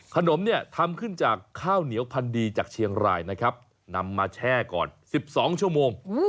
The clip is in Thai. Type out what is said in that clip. ขนมเนี่ยทำขึ้นจากข้าวเหนียวพันดีจากเชียงรายนะครับนำมาแช่ก่อน๑๒ชั่วโมง